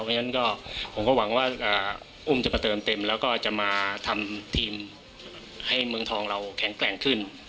เพราะฉะนั้นก็ผมก็หวังว่าอุ้มจะมาเติมเต็มแล้วก็จะมาทำทีมให้เมืองทองเราแข็งแกร่งขึ้น